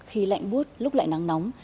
khi lạnh bút lúc lại nắng nóng